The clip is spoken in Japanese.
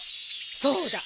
そうだ！